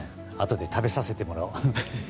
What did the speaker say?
あとで食べさせてもらお。